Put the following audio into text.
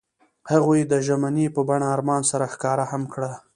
هغوی د ژمنې په بڼه آرمان سره ښکاره هم کړه.